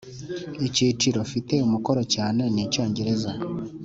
icyiciro mfite umukoro cyane ni icyongereza.